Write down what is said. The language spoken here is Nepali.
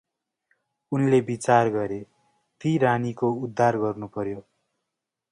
उनले विचार गरे, “ती रानीको उद्धार गर्नुपर्यो ।”